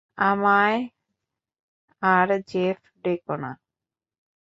আমায় আর জেফ ডেকো না।